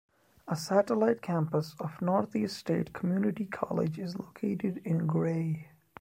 A Satellite campus of Northeast State Community College is located in Gray.